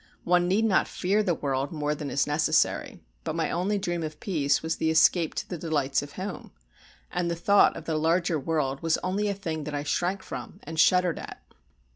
One need not fear the world more than is necessary but my only dream of peace was the escape to the delights of home, and the thought of the larger world was only a thing that I shrank from and shuddered at.